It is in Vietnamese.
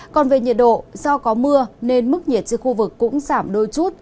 còn về nhiệt độ do có mưa nên mức nhiệt trên khu vực cũng giảm đôi chút